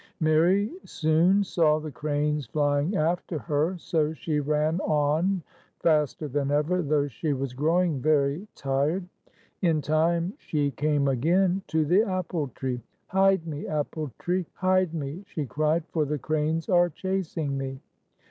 " Mary soon saw the cranes flying after her, so she ran on faster than ever, though she was growing very tired. In time, she came again to the apple tree. "Hide me, apple tree! Hide me," she cried, "for the cranes are chasing me